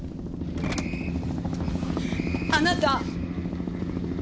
あなた！